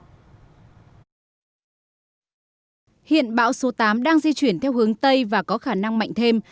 hiện bão số tám đang di chuyển theo hướng tây và có khả năng mạnh thêm